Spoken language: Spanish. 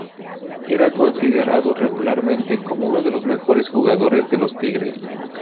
Era considerado regularmente como uno de los mejores jugadores de los Tigres.